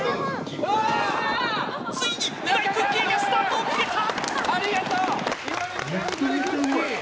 ついに、岩井クッキーがスタートを切った！